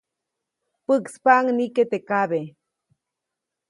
Päʼkspaʼuŋ nike teʼ kabe.